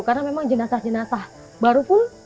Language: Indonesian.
karena memang jenazah jenazah baru pun